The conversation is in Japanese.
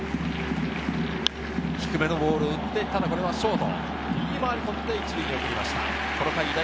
低めのボールを打って、これはショート。